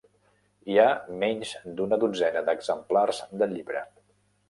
Hi ha menys d'una dotzena d'exemplars del llibre.